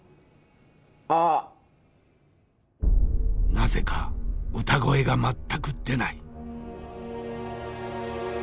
なぜか歌声が全く出ない。